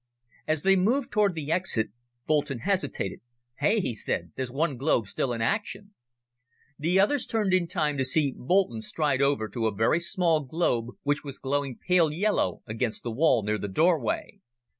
As they moved toward the exit, Boulton hesitated. "Hey," he said, "there's one globe still in action!" The others turned in time to see Boulton stride over to a very small globe which was glowing pale yellow against the wall near the doorway.